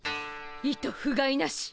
いとふがいなし。